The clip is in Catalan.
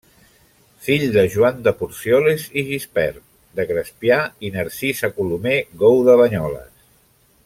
Fill de Joan de Porcioles i Gispert, de Crespià, i Narcisa Colomer Gou de Banyoles.